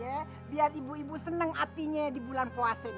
ya biar ibu ibu seneng hatinya di bulan puasa